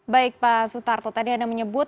baik pak sutarto tadi anda menyebut